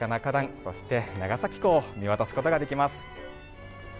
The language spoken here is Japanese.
そして長崎港を見渡すことができます。